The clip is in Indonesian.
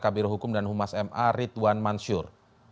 kabir hukum dan humas ma ridwan mansyur